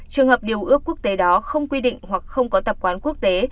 trường hợp điều ước quốc tế đó không quy định hoặc không có tập quán quốc tế